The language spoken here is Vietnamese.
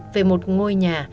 về một ngôi nhà